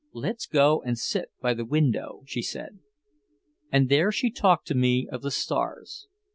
"Let's go and sit by the window," she said. And there she talked to me of the stars.